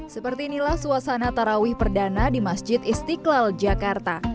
seperti inilah suasana tarawih perdana di masjid istiqlal jakarta